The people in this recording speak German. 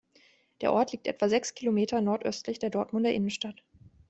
Der Ort liegt etwa sechs Kilometer nordöstlich der Dortmunder Innenstadt.